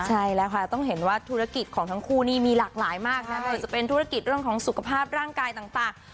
ใช่แล้วค่ะต้องเห็นว่าธุรกิจของทั้งคู่นี่มีหลากหลายมากนะไม่ว่าจะเป็นธุรกิจเรื่องของสุขภาพร่างกายต่าง